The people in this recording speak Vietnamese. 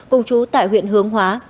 cùng chú tại huyện hướng hóa